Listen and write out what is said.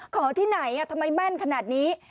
ที่ไหนทำไมแม่นขนาดนี้